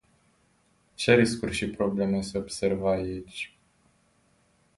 Ce riscuri și probleme se observă aici?